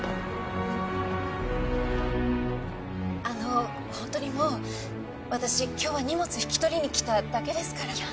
あの本当にもう私今日は荷物引き取りに来ただけですから。